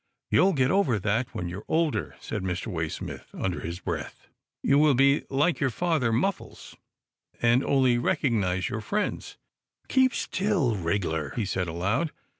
" You'll get over that when you are older," said Mr. Waysmith under his breath, " you will be like your father Muffles, and only recognize your friends — Keep still, wriggler," he said aloud.